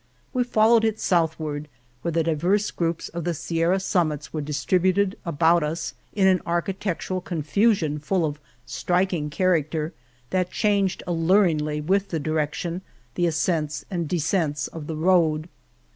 We followed it southward where the divers groups of the Sierra summits were distributed about us in an architectural con fusion full of striking character that changed alluringly with the direction, the ascents and descents of the road.